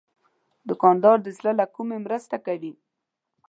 دوکاندار د زړه له کومي مرسته کوي.